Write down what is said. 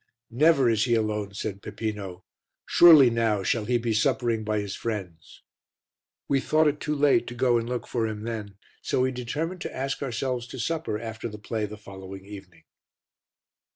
"Never is he alone," said Peppino. "Surely now shall he be suppering by his friends." We thought it too late to go and look for him then, so we determined to ask ourselves to supper after the play the following evening.